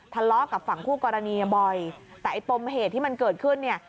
ทะเลาะกับฝั่งคู่กรณีบ่อยแต่ไอ้ปมเหตุที่มันเกิดขึ้นเนี่ย